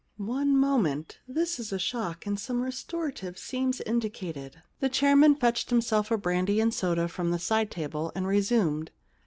* One moment. This is a shock, and some restorative seems indicated.' The chairman fetched himself a brandy and soda from the side table and resumed.